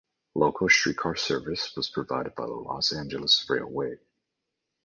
Local streetcar service was provided by the Los Angeles Railway.